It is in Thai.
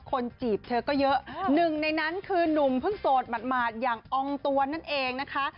จีบเธอก็เยอะหนึ่งในนั้นคือนุ่มเพิ่งโสดหมาดอย่างอองตัวนั่นเองนะคะ